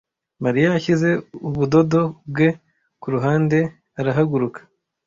Mariya yashyize ubudodo bwe ku ruhande arahaguruka.